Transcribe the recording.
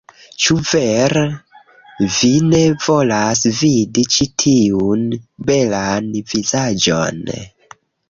Ĉu vere? Vi ne volas vidi ĉi tiun belan vizaĝon?